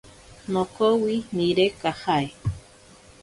Nokowi nire kajae.